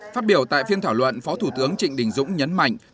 phát biểu tại phiên thảo luận phó thủ tướng trịnh đình dũng nhấn mạnh